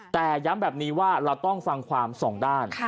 แต่ย้ำแบบนี้ว่าเราต้องฟังความสองด้าน